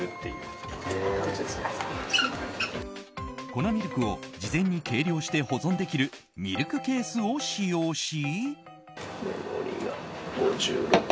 粉ミルクを事前に計量して保存できるミルクケースを使用し。